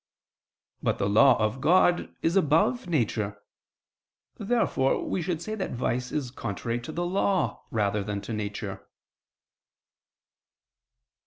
But the Law of God is above nature. Therefore we should say that vice is contrary to the Law, rather than to nature.